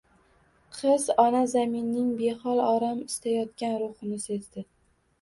Qiz ona zaminning behol, orom istayotgan ruhini sezdi